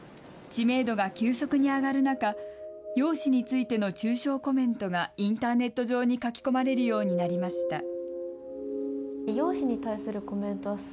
知名度が急速に上がる中、容姿についての中傷コメントがインターネット上で書き込まれるようになりました。